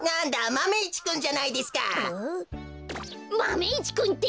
「マメ１くん」っていうな！